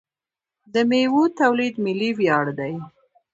د میوو تولید ملي ویاړ دی.